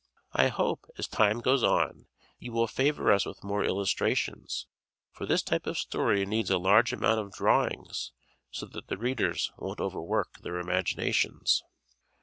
I hope, as time goes on, you will favor us with more illustrations, for this type of story needs a large amount of drawings so that the readers won't overwork their imaginations.